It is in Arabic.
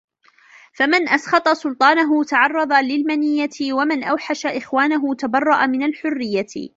فَمَنْ أَسْخَطَ سُلْطَانَهُ تَعَرَّضَ لِلْمَنِيَّةِ وَمَنْ أَوْحَشَ إخْوَانَهُ تَبَرَّأَ مِنْ الْحُرِّيَّةِ